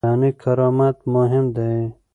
انساني کرامت مهم دی.